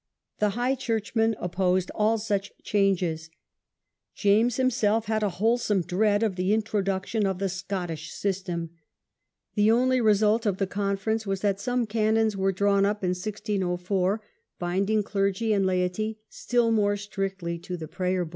The high churchmen opposed all such changes. James him self had a wholesome dread of the introduction of the Scottish system. The only result of the conference was that some canons were drawn up in 1604, binding clergy and laity still more strictly to the Prayer book.